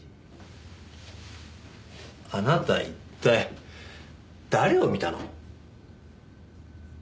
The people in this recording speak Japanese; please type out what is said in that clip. あなた一体誰を見たの？